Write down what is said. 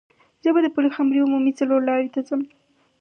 زه به د پلخمري عمومي څلور لارې ته ځم.